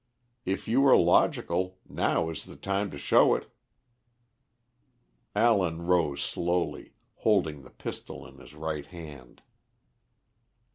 If you are logical, now is the time to show it." Allen rose slowly, holding the pistol in his right hand.